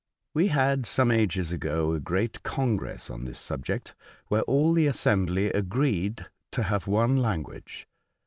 " We had some ages ago a great congress on this subject, where all the assembly agreed to have one language.